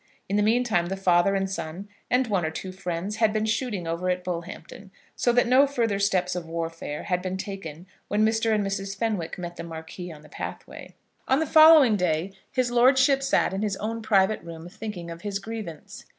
In the meantime, the father and son and one or two friends, had been shooting over at Bullhampton; so that no further steps of warfare had been taken when Mr. and Mrs. Fenwick met the Marquis on the pathway. On the following day his lordship sat in his own private room thinking of his grievance.